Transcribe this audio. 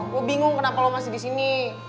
gue bingung kenapa lo masih di sini